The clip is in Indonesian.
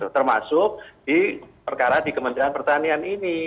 termasuk di perkara di kementerian pertanian ini